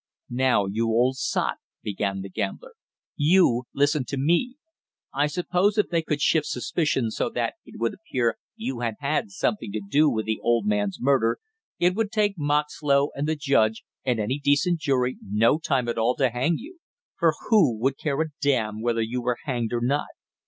"Now you old sot," began the gambler, "you listen to me! I suppose if they could shift suspicion so that it would appear you had had something to do with the old man's murder, it would take Moxlow and the judge and any decent jury no time at all to hang you; for who would care a damn whether you were hanged or not!